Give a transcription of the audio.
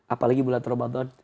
apalagi bulan ramadan